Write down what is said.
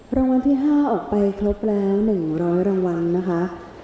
รางวัลที่๕ออกไปครบแล้ว๑๐๐รางวัลนะคะ